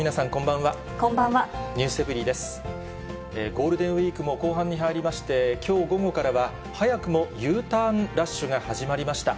ゴールデンウィークも後半に入りまして、きょう午後からは、早くもＵターンラッシュが始まりました。